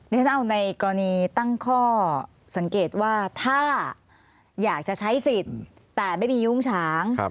ฉันเอาในกรณีตั้งข้อสังเกตว่าถ้าอยากจะใช้สิทธิ์แต่ไม่มียุ้งฉาง